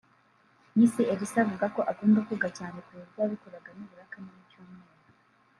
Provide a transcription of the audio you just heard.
Miss Elsa avuga ko akunda koga cyane ku buryo yabikoraga nibura kane mu cyumweru